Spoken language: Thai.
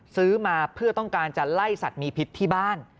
ซื้อมาเพื่อต้องการจะไล่สัตว์มีพิษที่บ้าน